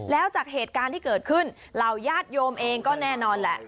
แล้วจากเหตุการณ์ที่เกิดขึ้นเหล่าญาติโยมเองก็แน่นอนแหละ